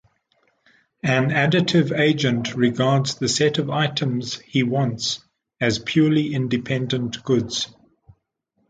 An additive agent regards the set of items he wants as purely independent goods.